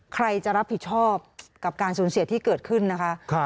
ใครจะรับผิดชอบกับการสูญเสียที่เกิดขึ้นนะคะ